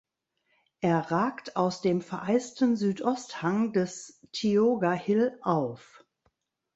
Er ragt aus dem vereisten Südosthang des Tioga Hill auf.